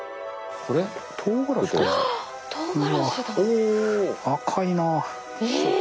お赤いな。